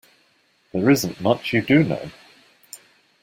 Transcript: There isn't much you do know.